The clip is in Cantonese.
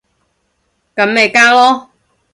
咁咪加囉